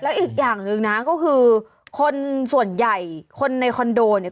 อีกอย่างหนึ่งนะก็คือคนส่วนใหญ่คนในคอนโดเนี่ย